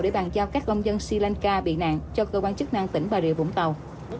để bàn giao các công dân sri lanka bị nạn cho cơ quan chức năng tỉnh bà rịa vũng tàu